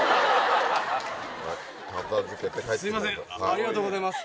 ありがとうございます。